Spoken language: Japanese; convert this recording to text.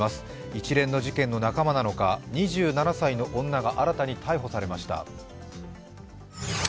一連の事件の仲間なのか２７歳の女が新たに逮捕されました。